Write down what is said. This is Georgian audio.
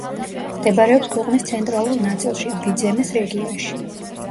მდებარეობს ქვეყნის ცენტრალურ ნაწილში, ვიძემეს რეგიონში.